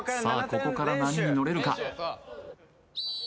ここから波に乗れるか？